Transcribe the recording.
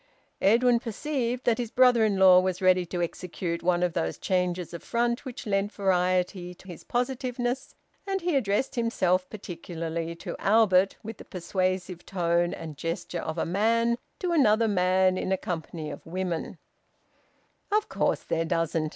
Edwin perceived that his brother in law was ready to execute one of those changes of front which lent variety to his positiveness, and he addressed himself particularly to Albert, with the persuasive tone and gesture of a man to another man in a company of women "Of course there doesn't!